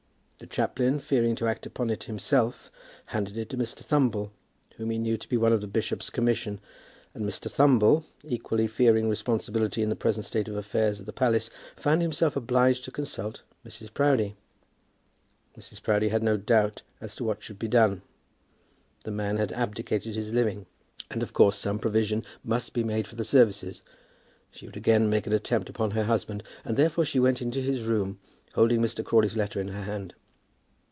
The chaplain, fearing to act upon it himself, handed it to Mr. Thumble, whom he knew to be one of the bishop's commission, and Mr. Thumble, equally fearing responsibility in the present state of affairs at the palace, found himself obliged to consult Mrs. Proudie. Mrs. Proudie had no doubt as to what should be done. The man had abdicated his living, and of course some provision must be made for the services. She would again make an attempt upon her husband, and therefore she went into his room holding Mr. Crawley's letter in her hand.